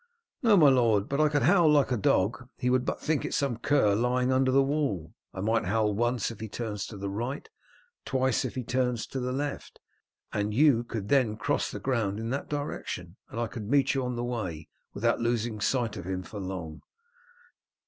"No, my lord; but I could howl like a dog. He would but think it some cur lying under the wall I might howl once if he turns to the right, twice if he turns to the left, and you could then cross the ground in that direction, and I could meet you on the way without losing sight of him for long."